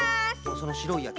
そのしろいやつ？